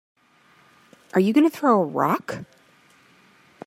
Are you gonna throw a rock?